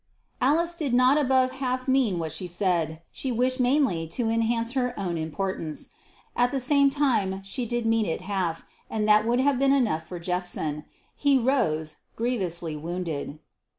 Alice did not above half mean what she said: she wished mainly to enhance her own importance. At the same time she did mean it half, and that would have been enough for Jephson. He rose, grievously wounded.